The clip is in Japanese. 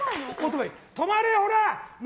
止まれほら！